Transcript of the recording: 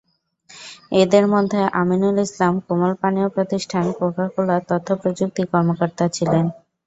এঁদের মধ্যে আমিনুল ইসলাম কোমল পানীয় প্রতিষ্ঠান কোকাকোলার তথ্যপ্রযুক্তি কর্মকর্তা ছিলেন।